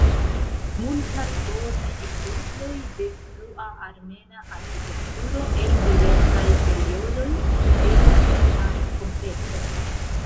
Multaj bonaj ekzemploj de frua armena arkitekturo el diversaj periodoj videblas en la komplekso.